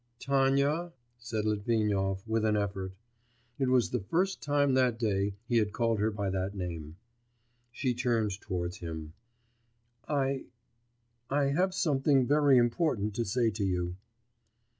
'Tanya ...' said Litvinov, with an effort. It was the first time that day he had called her by that name. She turned towards him. 'I ... I have something very important to say to you.